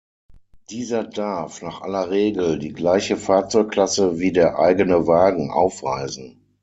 Dieser darf nach aller Regel die gleiche Fahrzeugklasse wie der eigene Wagen aufweisen.